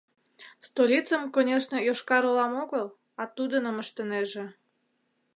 Столицым, конешне, Йошкар-Олам огыл, а тудыным ыштынеже...